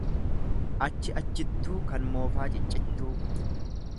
Achi achittuu kan moofaa ciccittuu.